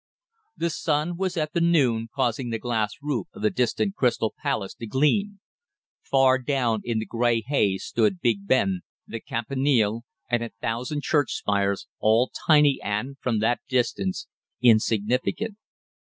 The sun was at the noon causing the glass roof of the distant Crystal Palace to gleam. Far down in the grey haze stood Big Ben, the Campanile, and a thousand church spires, all tiny and, from that distance, insignificant.